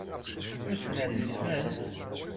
Atnan zhan.